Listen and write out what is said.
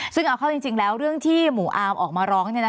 ซึ่งเอาเข้าจริงแล้วเรื่องที่หมู่อาร์มออกมาร้อง